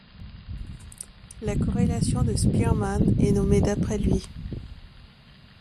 La corrélation de Spearman est nommée d'après lui.